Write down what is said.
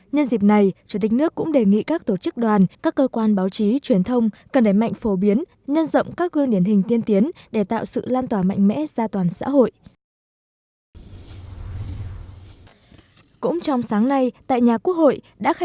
nhân dịp này chủ tịch nước cũng đề nghị các tổ chức đoàn các cơ quan báo chí truyền thông cần đẩy mạnh phổ biến nhân rộng các gương điển hình tiên tiến để tạo sự lan tỏa mạnh mẽ ra toàn xã hội